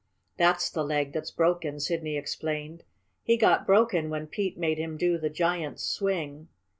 "That's the leg that's broken," Sidney explained. "He got broken when Pete made him do the giant's swing."